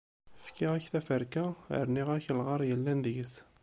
Fkiɣ-ak taferka rniɣ-ak lɣar yellan deg-s.